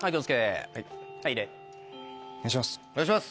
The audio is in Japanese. お願いします。